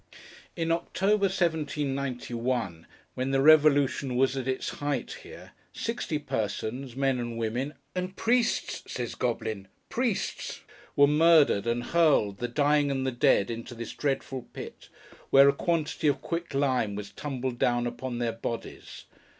In October, 1791, when the Revolution was at its height here, sixty persons: men and women ('and priests,' says Goblin, 'priests'): were murdered, and hurled, the dying and the dead, into this dreadful pit, where a quantity of quick lime was tumbled down upon their bodies.